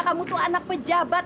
kamu tuh anak pejabat